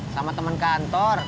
sama temen kantor